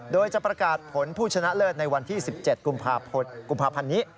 โดยจะประกาศผลผู้ชนะเลิศในวันที่๑๗กุมภาพันธ์นี้